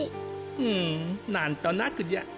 うんなんとなくじゃ。